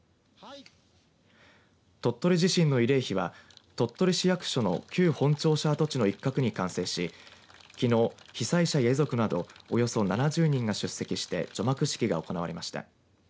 鳥取地震の慰霊碑は鳥取市役所の旧本庁舎跡地の一角に完成しきのう、被災者や遺族などおよそ７０人が出席して除幕式が行われました。